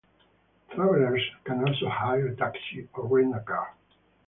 Travelers can also hire a taxi or rent a car.